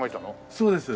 そうです。